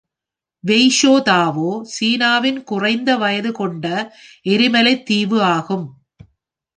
வெய்ஷோ தாவோ சீனாவின் குறைந்த வயது கொண்ட எரிமலை தீவு ஆகும்.